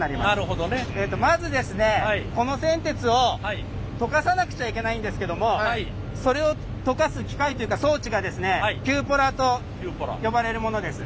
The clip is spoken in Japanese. この銑鉄を溶かさなくちゃいけないんですけどもそれを溶かす機械というか装置がキューポラと呼ばれるものです。